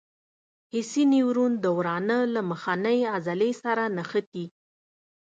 حسي نیورون د ورانه له مخنۍ عضلې سره نښتي.